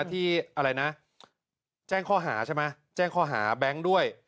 ที่อะไรนะแจ้งข้อหาใช่ไหมแจ้งข้อหาแบงค์ด้วย